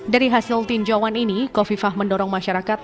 dari hasil tinjauan ini kofifah mendorong masyarakat